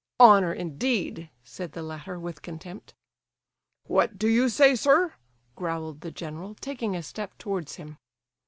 "Honour, indeed!" said the latter, with contempt. "What do you say, sir?" growled the general, taking a step towards him.